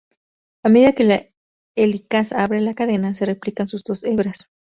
A medida que la helicasa abre la cadena, se replican sus dos hebras.